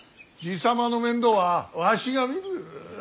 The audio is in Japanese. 爺様の面倒はわしが見る。